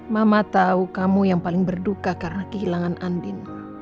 mama tahu kamu yang paling berduka karena kehilangan andin